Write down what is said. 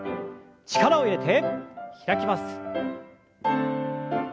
力を入れて開きます。